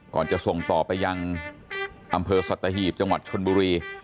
ก่อนจะส่งต่อไปยังอำเภอสัตหีบจังหวัดชนบุรี